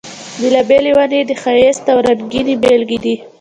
بېلابېلې ونې یې د ښایست او رنګینۍ بېلګې دي.